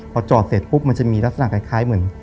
พอจอดเสร็จปุ๊บมันจะมีลักษณะคล้ายเหมือน